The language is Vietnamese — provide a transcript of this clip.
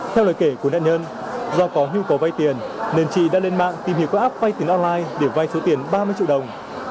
theo lời kể của nạn nhân do có nhu cầu vay tiền nên chị đã lên mạng tìm hiểu qua app vay tiền online để vai số tiền ba mươi triệu đồng